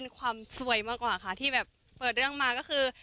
เป็นความสวยมากกว่าค่ะที่แบบเปิดเรื่องมาก็คือ